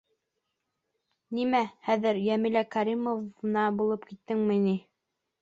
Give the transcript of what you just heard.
— Нимә, хәҙер Йәмилә Кәримовна булып киттемме ни?